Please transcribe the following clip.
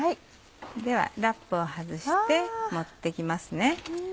ではラップを外して盛って行きますね。